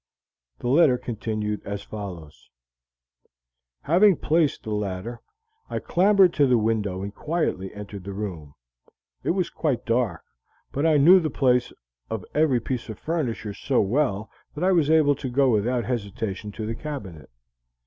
The letter continued as follows: "Having placed the ladder, I clambered to the window and quietly entered the room. It was quite dark, but I knew the place of every piece of furniture so well that I was able to go without hesitation to the cabinet.